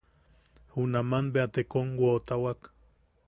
Junaman bea te kom woʼotawak.